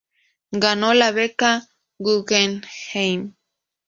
Ganó la Beca Guggenheim.